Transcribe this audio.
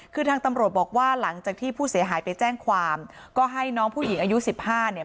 คือทางตำรวจบอกว่าหลังจากที่ผู้เสียหายไปแจ้งความก็ให้น้องผู้หญิงอายุสิบห้าเนี่ย